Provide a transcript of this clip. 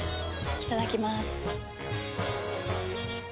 いただきまーす。